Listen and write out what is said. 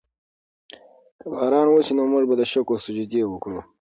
که باران وشي نو موږ به د شکر سجدې وکړو.